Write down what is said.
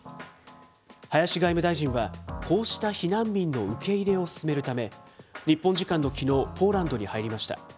林外務大臣は、こうした避難民の受け入れを進めるため、日本時間のきのう、ポーランドに入りました。